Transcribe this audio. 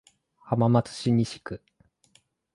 浜松市西区